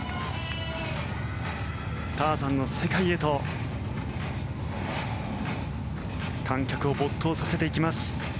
「ターザン」の世界へと観客を没頭させていきます。